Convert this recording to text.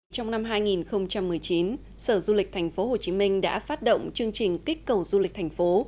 trong năm hai nghìn một mươi chín sở du lịch thành phố hồ chí minh đã phát động chương trình kích cầu du lịch thành phố